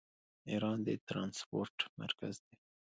ایران د ټرانسپورټ مرکز دی.